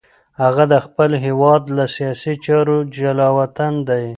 هغه د خپل هېواد له سیاسي چارو جلاوطن دی.